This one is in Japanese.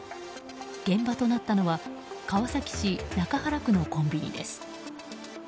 現場となったのは川崎市中原区のコンビニです。